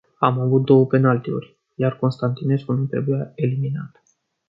Am avut două penaltyuri, iar Constantinescu nu trebuia eliminat.